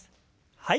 はい。